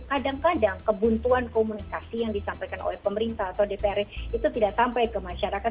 kadang kadang kebuntuan komunikasi yang disampaikan oleh pemerintah atau dpr itu tidak sampai ke masyarakat